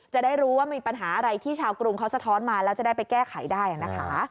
จะได้รู้ว่ามีปัญหาอะไรที่ชาวกรุงเขาสะท้อนมาแล้วจะได้ไปแก้ไขได้นะคะ